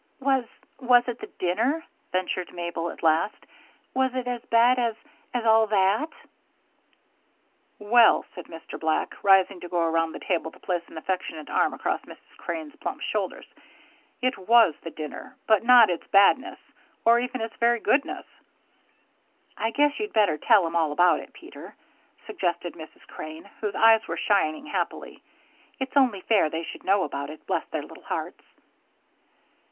"Was was it the dinner?" ventured Mabel, at last. "Was it as bad as as all that?" "Well," said Mr. Black, rising to go around the table to place an affectionate arm across Mrs. Crane's plump shoulders, "it was the dinner, but not its badness or even its very goodness." "I guess you'd better tell 'em all about it, Peter," suggested Mrs. Crane, whose eyes were shining happily. "It's only fair they should know about it bless their little hearts."